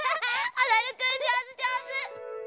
おどるくんじょうずじょうず！